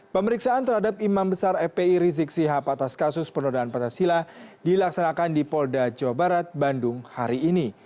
pemeriksaan terhadap imam besar fpi rizik sihab atas kasus penodaan pancasila dilaksanakan di polda jawa barat bandung hari ini